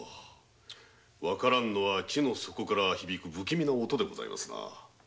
分からぬのは地の底から響く不気味な音でございますな。